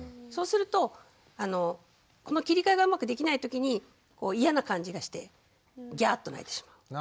そうするとこの切り替えがうまくできない時に嫌な感じがしてギャーッと泣いてしまう。